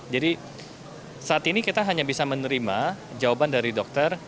jadi saat ini kita hanya bisa menerima jawaban dari dokter